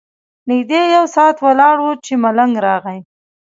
نږدې یو ساعت ولاړ وو چې ملنګ راغی.